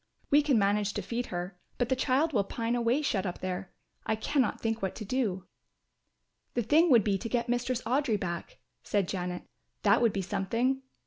We can manage to feed her, but the child will pine away shut up there. I cannot think what to do." "The thing would be to get Mistress Audry back," said Janet. "That would be something."